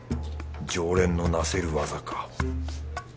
常連のなせる技か。